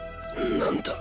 何だ？